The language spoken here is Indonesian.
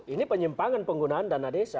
ini penyimpangan penggunaan dana desa